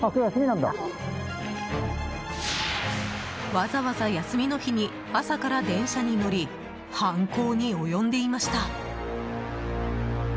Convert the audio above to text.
わざわざ休みの日に朝から電車に乗り犯行に及んでいました。